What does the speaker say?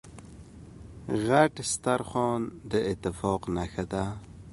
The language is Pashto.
غټ سترخوان داتفاق نښه ده.